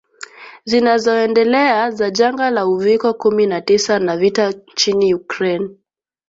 zinazoendelea za janga la uviko kumi na tisa na vita nchini Ukraine